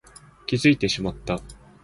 気づいてしまった